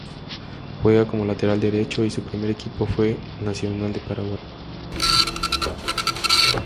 Juega como lateral derecho y su primer equipo fue Nacional de Paraguay.